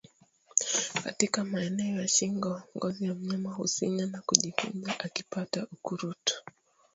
Katika maeneo ya shingo ngozi ya mnyama husinyaa na kujikunja akipata ukurutu